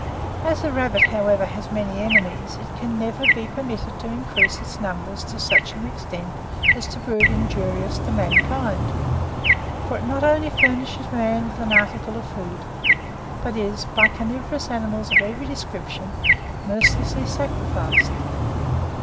As the rabbit, however, has many enemies, it can never be permitted to increase in numbers to such an extent as to prove injurious to mankind; for it not only furnishes man with an article of food, but is, by carnivorous animals of every description, mercilessly sacrificed.